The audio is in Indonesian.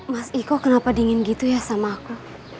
mas iko kenapa dingin gitu ya sama aku